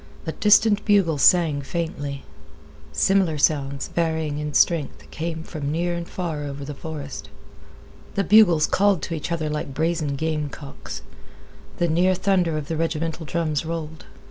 A distant bugle sang faintly. Similar sounds, varying in strength, came from near and far over the forest. The bugles called to each other like brazen gamecocks. The near thunder of the regimental drums rolled.